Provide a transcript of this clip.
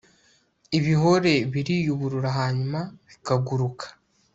ibihore biriyuburura hanyuma bikaguruka